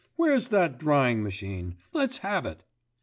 Where's that drying machine? let's have it!"